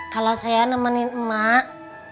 kalau saya nemenin emak